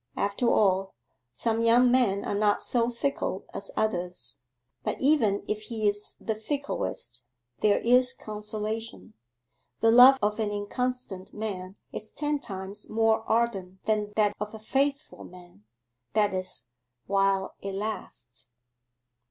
After all, some young men are not so fickle as others; but even if he's the ficklest, there is consolation. The love of an inconstant man is ten times more ardent than that of a faithful man that is, while it lasts.